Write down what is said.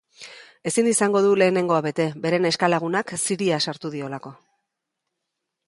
Ezin izango du lehenengoa bete, bere neska-lagunak ziria sartu diolako.